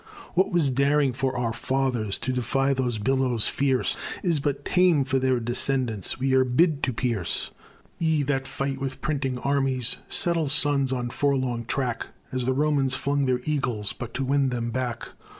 What was daring for our fathers, To defy those billows fierce, Is but tame for their descendants; We are bid to pierce. Ye that fight with printing armies, Settle sons on forlorn track, As the Romans flung their eagles, But to win them back.